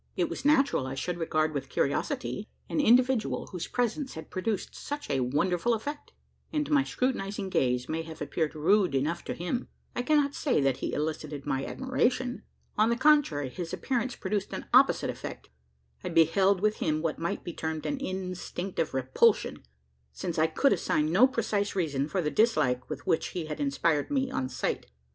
It was natural I should regard with curiosity an individual, whose presence had produced such a wonderful effect; and my scrutinising gaze may have appeared rude enough to him. I cannot say that he elicited my admiration. On the contrary, his appearance produced an opposite effect. I beheld him with, what might be termed an instinct of repulsion: since I could assign no precise reason for the dislike with which he had inspired me on sight.